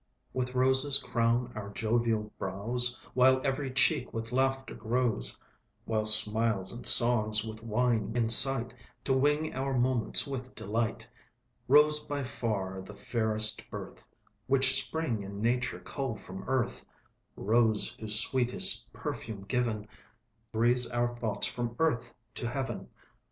With Roses crown our jovial brows, While every cheek with Laughter glows; While Smiles and Songs, with Wine incite, To wing our moments with Delight. Rose by far the fairest birth, Which Spring and Nature cull from Earth Rose whose sweetest perfume given, Breathes our thoughts from Earth to Heaven.